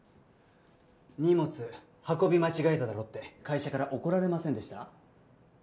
荷物運び間違えただろって会社から怒られませんでした？